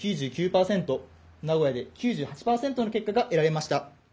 名古屋で９８％の結果が得られました。